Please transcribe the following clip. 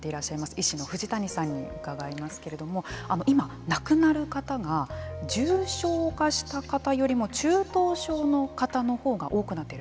医師の藤谷さんに伺いますけれども今、亡くなる方が重症化した方よりも中等症の方のほうが多くなっている。